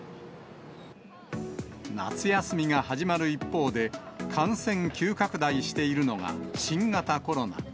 夏休みが始まる一方で、感染急拡大しているのが新型コロナ。